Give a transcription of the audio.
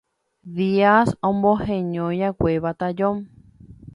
Díaz omoheñoiʼakue Batallón.